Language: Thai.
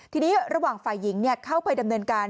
ทีนี้ระหว่างฝ่ายหญิงเข้าไปดำเนินการ